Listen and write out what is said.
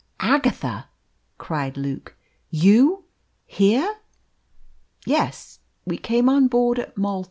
"Agatha!" cried Luke. "You here?" "Yes; we came on board at Malta."